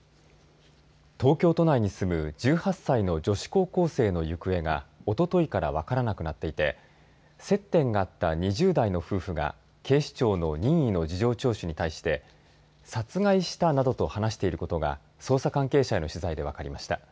東京都内に住む１８歳の女子高校生の行方がおとといから分からなくなっていて接点があった２０代の夫婦が警視庁の任意の事情聴取に対して殺害したなどと話していることが捜査関係者への取材で分かりました。